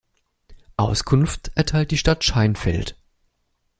Auskunft erteilt die Stadt Scheinfeld.